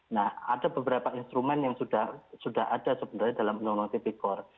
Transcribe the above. nah ada beberapa instrumen yang sudah ada sebenarnya dalam uu tv korps